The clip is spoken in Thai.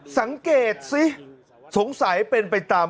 สังเกตสิสงสัยเป็นไปตาม